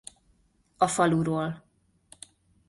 A faluról